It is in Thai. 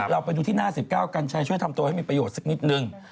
เราไปดูที่หน้า๑๙กัญชัยช่วยทำตัวให้มีประโยชน์สักนิดนึง